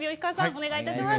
お願いいたします。